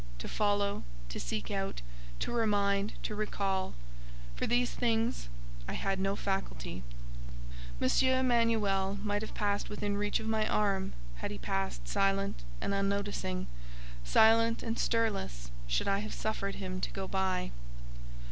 To follow, to seek out, to remind, to recall—for these things I had no faculty. M. Emanuel might have passed within reach of my arm: had he passed silent and unnoticing, silent and stirless should I have suffered him to go by.